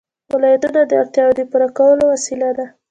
ولایتونه د اړتیاوو د پوره کولو وسیله ده.